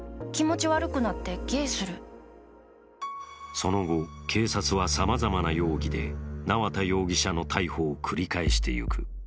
その後、警察はさまざまな容疑で縄田容疑者の逮捕を繰り返していく。